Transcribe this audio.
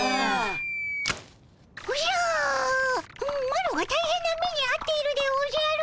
マロが大変な目にあっているでおじゃる。